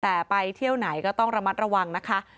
แต่ไปเที่ยวไหนก็ต้องระมัดระวังนะคะ